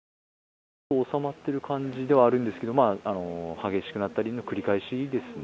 収まってる感じではあるんですが、激しくなったりの繰り返しですね。